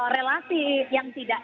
relasi yang tidak